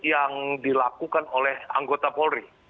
yang dilakukan oleh anggota polri